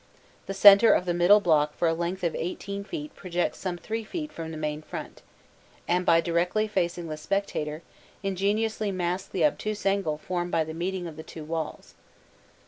The centre of the middle block for a length of 18 feet projects some 3 feet from the main front, and, by directly facing the spectator, ingeniously masks the obtuse angle formed by the meeting of the two walls.